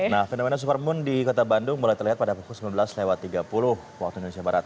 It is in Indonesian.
nah fenomena supermoon di kota bandung mulai terlihat pada pukul sembilan belas lewat tiga puluh waktu indonesia barat